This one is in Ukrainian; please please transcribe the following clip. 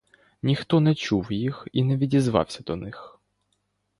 Ніхто не чув їх і не відізвався до них.